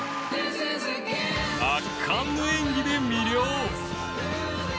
圧巻の演技で魅了。